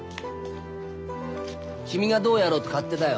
君がどうやろうと勝手だよ。